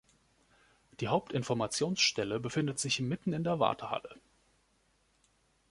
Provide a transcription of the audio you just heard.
Die Hauptinformationsstelle befindet sich mitten in der Wartehalle.